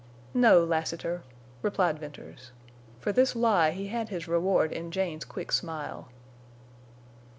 "No, Lassiter," replied Venters. For this lie he had his reward in Jane's quick smile.